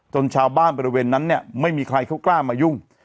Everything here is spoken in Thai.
ชาวบ้านบริเวณนั้นเนี่ยไม่มีใครเขากล้ามายุ่ง